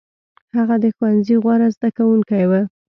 هغه د ښوونځي غوره زده کوونکی و.